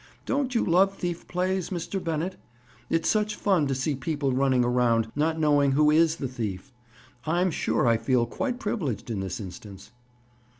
Don't you love thief plays, Mr. Bennett? It's such fun to see people running around, not knowing who is the thief. I'm sure I feel quite privileged, in this instance."